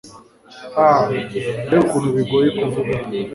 Ah mbega ukuntu bigoye kuvuga